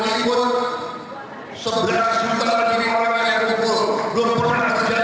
kita semua kita ingatkan lagi apa komentar dua kali presiden soal media kebelakangan ini